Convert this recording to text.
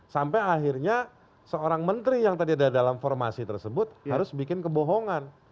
sampai akhirnya seorang menteri yang tadi ada dalam formasi tersebut harus bikin kebohongan